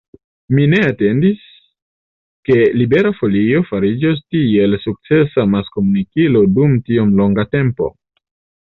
Mi ne atendis, ke Libera Folio fariĝos tiel sukcesa amaskomunikilo dum tiom longa tempo.